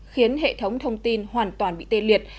khiến hệ thống thông tin hoàn toàn bị tê liệt